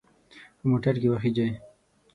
په موټر کې وخیژئ.